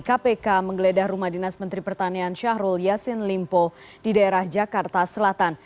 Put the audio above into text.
kpk menggeledah rumah dinas menteri pertanian syahrul yassin limpo di daerah jakarta selatan